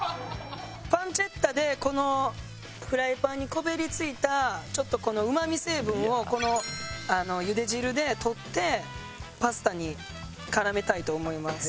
パンチェッタでこのフライパンにこびりついたちょっとこのうまみ成分をこの茹で汁で取ってパスタに絡めたいと思います。